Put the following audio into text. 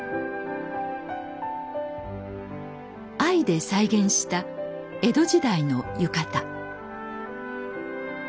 藍で再現した江戸時代の浴衣。